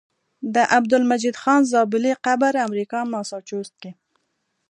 د عبدالمجيد خان زابلي قبر امريکا ماسوچست کي